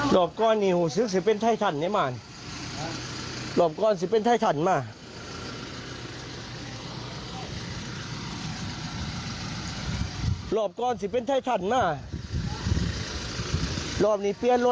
รอบนี้เพี้ยนรถมากหรือเปล่าเนี่ย